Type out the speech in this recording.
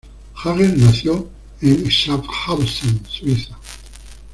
Jäger nació en Schaffhausen, Suiza.